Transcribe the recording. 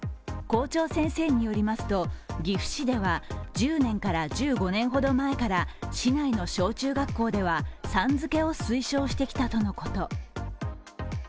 校長先生によりますと岐阜市では１０年から１５年ほど前から市内の小中学校ではさん付けを推奨してきたとのこと。